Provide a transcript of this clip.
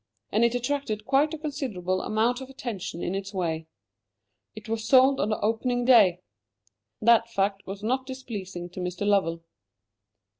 And it attracted quite a considerable amount of attention in its way. It was sold on the opening day. That fact was not displeasing to Mr. Lovell.